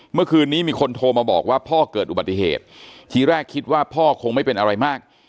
เมื่อคืนนี้มีคนโทรมาบอกว่าพ่อเกิดอุบัติเหตุทีแรกคิดว่าพ่อคงไม่เป็นอะไรมาก